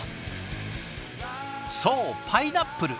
そうパイナップル。